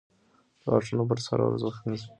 د غاښونو برس هره ورځ وینځئ.